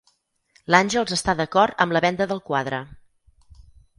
L'Àngels està d'acord amb la venda del quadre.